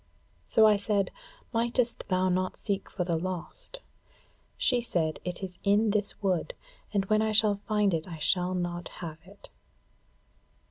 So I said: 'Mightest thou not seek for the lost?' She said, 'It is in this wood, but when I shall find it I shall not have it.'